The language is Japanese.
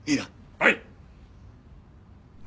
はい！